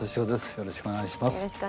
よろしくお願いします。